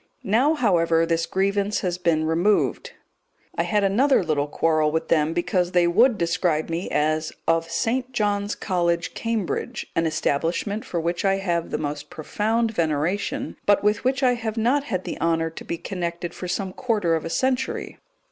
Now, however, this grievance has been removed. I had another little quarrel with them because they would describe me as "of St. John's College, Cambridge," an establishment for which I have the most profound veneration, but with which I have not had the honour to be connected for some quarter of a century.